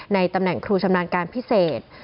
ในตำแหน่งครูชำนาญการพิเศษ